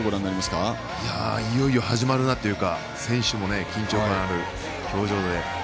いよいよ始まるなという選手も緊張感のある表情で。